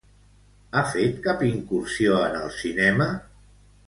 Ha fet cap incursió en el cinema?